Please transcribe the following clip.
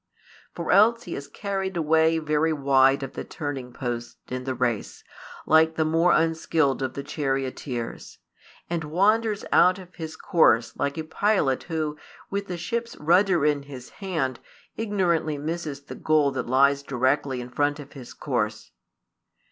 For else he is carried away very wide of the turning post in the race, like the more unskilled of the charioteers; and wanders out of his course like a pilot who, with the ship's rudder in his hand, ignorantly misses the goal that lies directly in front of his course.